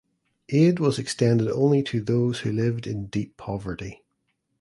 Aid was extended only to those who lived in deep poverty.